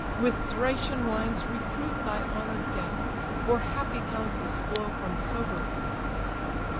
With Thracian wines recruit thy honour'd guests, For happy counsels flow from sober feasts.